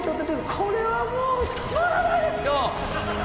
これはもうたまらないですよ！